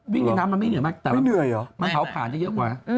ในน้ำมันไม่เหนื่อยมากแต่มันเผาผ่านจะเยอะกว่า